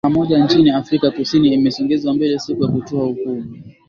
kama moja nchini afrika kusini imesogeza mbele siku ya kutoa hukumu